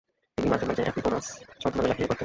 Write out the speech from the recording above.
তিনি মাঝে মাঝে এপিগোনোস ছদ্মনামে লেখালেখি করতেন।